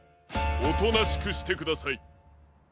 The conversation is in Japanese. おとなしくしてください。